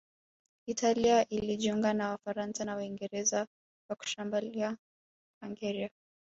Italia ilijiunga na Wafaransa na Waingereza kwa kushambulia Hungaria